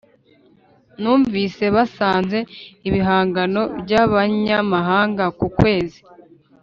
[numvise basanze ibihangano byabanyamahanga ku kwezi.